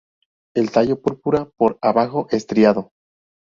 El tallo púrpura por abajo, estriado.